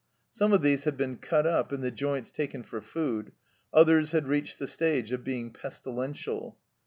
Some of these had been cut up, and the joints taken for food ; others had reached the stage of being pestilential.